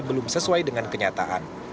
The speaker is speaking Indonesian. belum sesuai dengan kenyataan